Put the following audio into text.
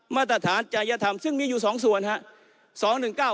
มาตรฐานจริยธรรมซึ่งมีอยู่๒ส่วนครับ